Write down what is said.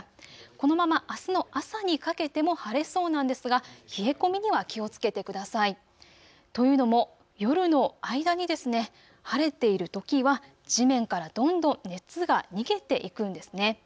このままあすの朝にかけても晴れそうなんですが、冷え込みには気をつけてください。というのも夜の間に晴れているときは地面からどんどん熱が逃げていくんですね。